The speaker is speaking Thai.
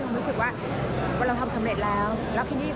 และมีความรู้สึกว่าเราทำสำเร็จแล้ว